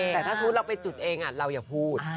แต่ถ้าสมมุติเราไปจุดเองเราอย่าพูด